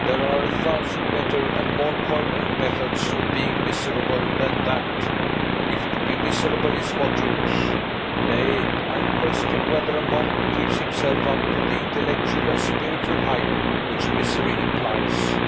"There are a thousand better and more poignant methods of being miserable than that, if to be miserable is what you wish. Nay; I question whether a monk keeps himself up to the intellectual and spiritual height which misery implies.